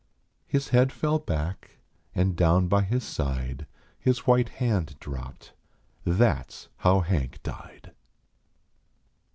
His head fell back, and down by his side His white hand dropped. That s how Hank died.